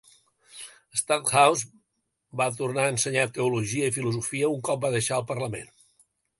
Stackhouse va tornar a ensenyar teologia i filosofia un cop va deixar el parlament.